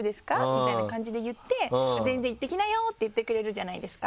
みたいな感じで言って「全然行ってきなよ」って言ってくれるじゃないですか。